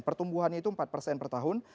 pertumbuhannya itu empat persen per tahun